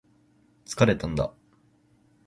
疲れたんだ